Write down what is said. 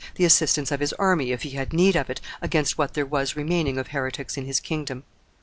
the assistance of his army, if he had need of it, against what there was remaining of heretics in his kingdom.